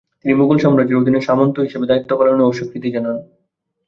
তিনি মুঘল সাম্রাজ্যের অধীনে সামন্ত হিসেবে দায়িত্ব পালনে অস্বীকৃতি জানান।